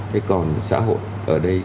thế còn xã hội ở đây